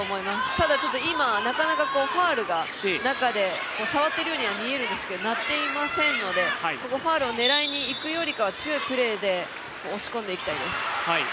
ただ、ちょっと今なかなかファウルが中で触っているようには見えるんですが、鳴っていませんのでファウルを狙いにいくよりかは強いプレーで押し込んでいきたいです。